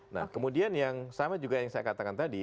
nah kemudian yang sama juga yang saya katakan tadi